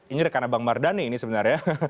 ini rekan rekan bang mardhani ini sebenarnya